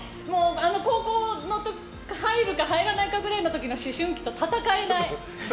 高校に入るか入らないかぐらいの思春期と戦えない。